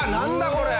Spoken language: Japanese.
これ！